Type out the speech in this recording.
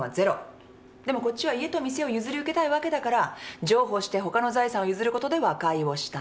でもこっちは家と店を譲り受けたいわけだから譲歩してほかの財産を譲ることで和解をしたの。